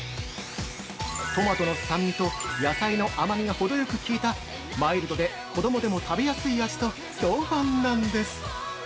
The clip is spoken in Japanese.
トマトの酸味と野菜の甘味がほどよく効いた、マイルドで子どもでも食べやすい味と評判なんです！